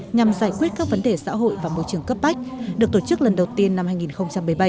nhằm giải quyết các vấn đề xã hội và môi trường cấp bách được tổ chức lần đầu tiên năm hai nghìn một mươi bảy